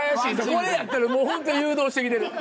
これやったらもうほんと誘導してきてる。